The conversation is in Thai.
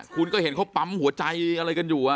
คุณก็เห็นเขาปั๊มหัวใจอะไรกันอยู่